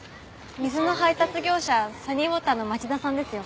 水の配達業者サニーウォーターの町田さんですよ。